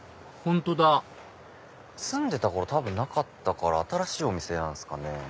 本当だ住んでた頃多分なかったから新しいお店なんすかね。